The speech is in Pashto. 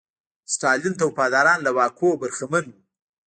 ستالین ته وفاداران له واکونو برخمن وو.